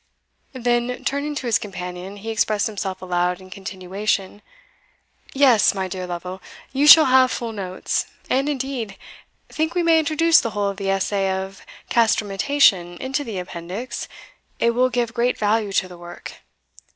Then, turning to his companion, he expressed himself aloud in continuation "Yes, my dear Lovel, you shall have full notes; and, indeed, think we may introduce the whole of the Essay on Castrametation into the appendix it will give great value to the work.